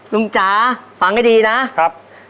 ลุงจ๋าฟังให้ดีนะ